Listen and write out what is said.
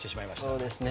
そうですね。